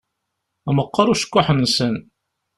Meqqeṛ ucekkuḥ-nsen.